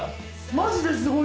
マジですごい。